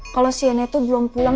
kalau shena tuh belum pulang